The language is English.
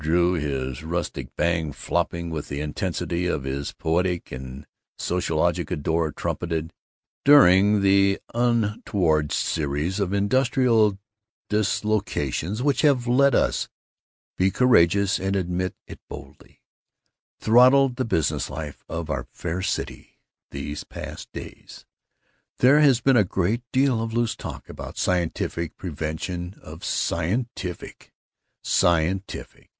Drew, his rustic bang flopping with the intensity of his poetic and sociologic ardor, trumpeted: "During the untoward series of industrial dislocations which have let us be courageous and admit it boldly throttled the business life of our fair city these past days, there has been a great deal of loose talk about scientific prevention of scientific _scientific!